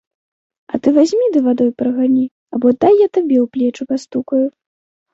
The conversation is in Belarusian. А ты вазьмі ды вадой прагані, або дай я табе ў плечы пастукаю.